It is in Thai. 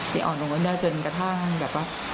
เตี๋ยวอ่อนลงได้จนกระทั่งแบบว่า